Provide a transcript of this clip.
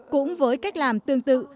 cũng với cách làm tương tự